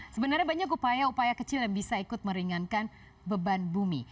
sebenarnya banyak upaya upaya kecil yang bisa ikut meringankan beban bumi